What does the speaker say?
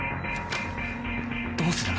どうするの？